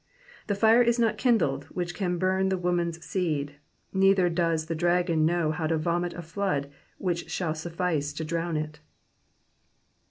The fire is not kindled which can burn the woman*s seed, neither does the dragon know how to vomit a flood which shall suffice to diown it.